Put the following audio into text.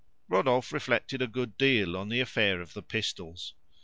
Rodolphe reflected a good deal on the affair of the pistols.